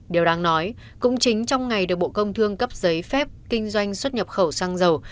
điều đáng nói cũng chính trong ngày được bộ công thương cấp giấy phép kinh doanh xuất nhập khẩu xăng dầu